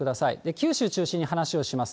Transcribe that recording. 九州中心に話をします。